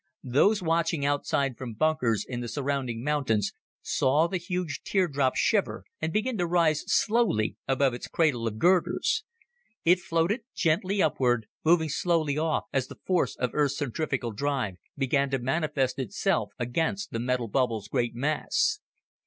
Those watching outside from bunkers in the surrounding mountains saw the huge teardrop shiver and begin to rise slowly above its cradle of girders. It floated gently upward, moving slowly off as the force of Earth's centrifugal drive began to manifest itself against the metal bubble's great mass.